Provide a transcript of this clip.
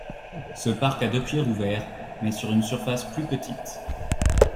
Ce parc a depuis rouvert mais sur une surface plus petite.